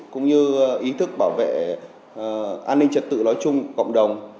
cũng như ý thức bảo vệ an ninh trật tự nói chung cộng đồng